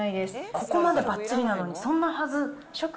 ここまでばっちりなのに、そんなはず。